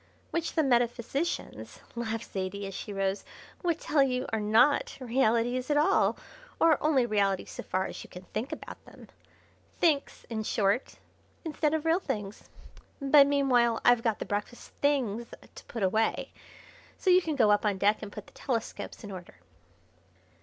"Which the metaphysicians," laughed Zaidie as she rose, "would tell you are not realities at all, or only realities so far as you can think about them. 'Thinks,' in short, instead of real things. But meanwhile I've got the breakfast things to put away, so you can go up on deck and put the telescopes in order."